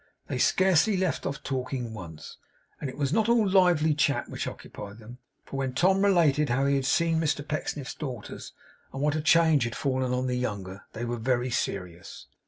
They scarcely left off talking once. And it was not all lively chat which occupied them; for when Tom related how he had seen Mr Pecksniff's daughters, and what a change had fallen on the younger, they were very serious.